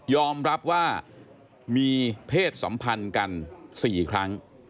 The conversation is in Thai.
อมรับว่ามีเพศสัมพันธ์กัน๔ครั้ง